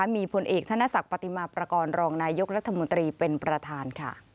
มีผลเอกธนศักดิ์ปฏิมาประกอบรองนายกรัฐมนตรีเป็นประธาน